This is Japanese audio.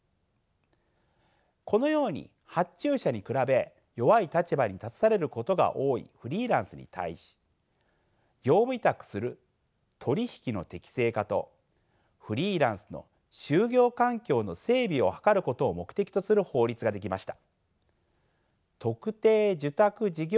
このように発注者に比べ弱い立場に立たされることが多いフリーランスに対し業務委託する取り引きの適正化とフリーランスの就業環境の整備を図ることを目的とする法律が出来ました。